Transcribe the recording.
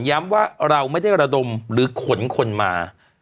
ย้ำว่าเราไม่ได้ระดมหรือขนคนมา